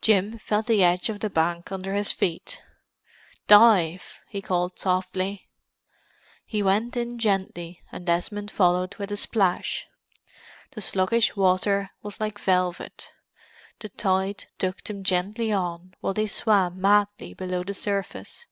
Jim felt the edge of the bank under his feet. "Dive!" he called softly. He went in gently and Desmond followed with a splash. The sluggish water was like velvet; the tide took them gently on, while they swam madly below the surface.